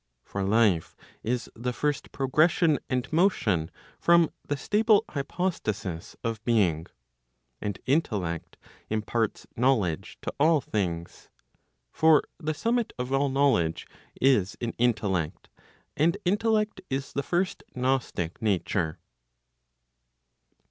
For life is the first progression and motion from the stable hypostasis of being. And intellect imparts knowledge to all things. For the summit of all knowledge is in intellect. And intellect is the first gnostic nature.